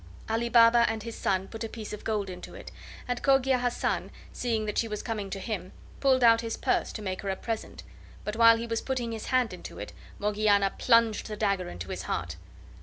Ali Baba and his son put a piece of gold into it, and Cogia Hassan, seeing that she was coming to him, pulled out his purse to make her a present, but while he was putting his hand into it Morgiana plunged the dagger into his heart.